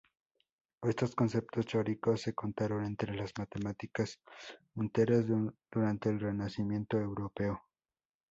Estos conceptos teóricos se contaron entre las matemáticas punteras durante el Renacimiento europeo.